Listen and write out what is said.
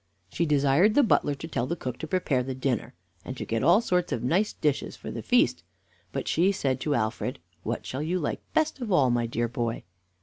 She desired the butler to tell the cook to prepare the dinner, and to get all sorts of nice dishes for the feast; but she said to Alfred: "What shall you like best of all, my dear boy?"